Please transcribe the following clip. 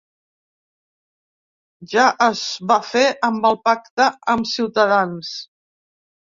Ja és va fer amb el pacte amb Ciutadans.